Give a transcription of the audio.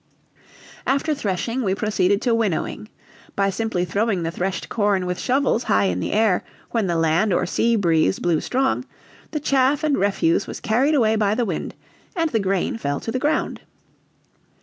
After threshing, we proceeded to winnowing; by simply throwing the threshed corn with shovels high in the air when the land or sea breeze blew strong, the chaff and refuse was carried away by the wind and the grain fell to the ground.